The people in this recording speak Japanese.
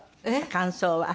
感想は。